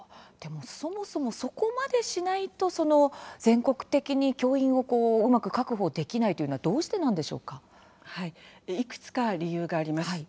そもそもそこまでしないと全国的に教員をうまく確保できないというのはいくつか理由があります。